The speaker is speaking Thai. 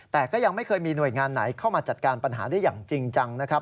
แต่ก็ยังไม่เคยมีหน่วยงานไหนเข้ามาจัดการปัญหาได้อย่างจริงจังนะครับ